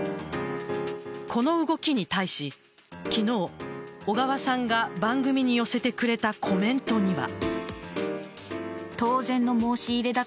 この動きに対し昨日、小川さんが番組に寄せてくれたコメントには。